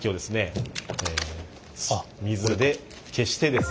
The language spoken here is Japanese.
水で消してですね。